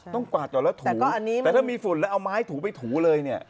กวาดก่อนแล้วถูก่อนแต่ถ้ามีฝุ่นแล้วเอาไม้ถูไปถูเลยเนี่ย